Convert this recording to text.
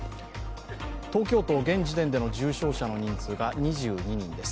東京都現時点での重症者の人数が２２人です。